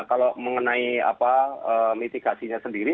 kalau mengenai mitigasinya sendiri